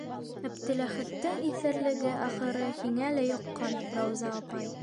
Әптеләхәттең иҫәрлеге, ахыры, һиңә лә йоҡҡан, Рауза апай!